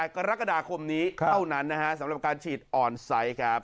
กรกฎาคมนี้เท่านั้นนะฮะสำหรับการฉีดออนไซต์ครับ